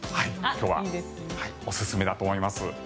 今日はおすすめだと思います。